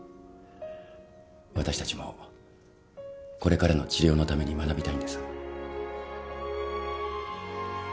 私たちもこれからの治療のために学びたいんです。